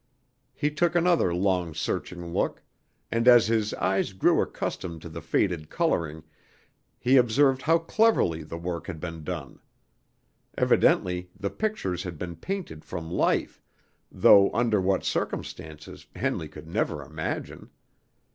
He took another long searching look; and as his eyes grew accustomed to the faded coloring, he observed how cleverly the work had been done. Evidently the pictures had been painted from life, though under what circumstances Henley could never imagine.